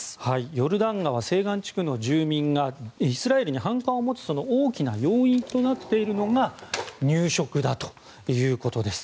ヨルダン川西岸地区の住民がイスラエルに反感を持つ大きな要因となっているのが入植だということです。